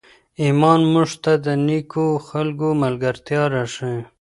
ایمان موږ ته د نېکو خلکو ملګرتیا راښیي.